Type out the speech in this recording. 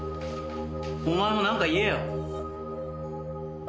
お前もなんか言えよ。